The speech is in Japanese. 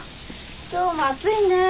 今日も暑いね。